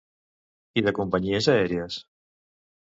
I de companyies aèries?